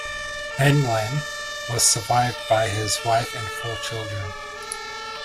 Manlan was survived by his wife and four children.